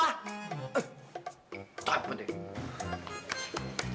eh tahan mbak dedy